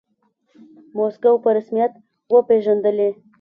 موسکو په رسميت وپیژندلې.